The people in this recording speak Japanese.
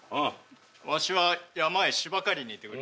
わしは山へ芝刈りに行ってくる。